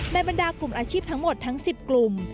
บรรดากลุ่มอาชีพทั้งหมดทั้ง๑๐กลุ่ม